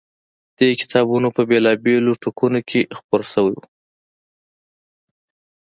دې کتابونه په بېلا بېلو ټوکونوکې خپور شوی و.